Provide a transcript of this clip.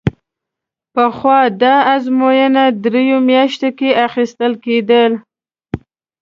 پخوا دا ازموینه درېیو میاشتو کې اخیستل کېده.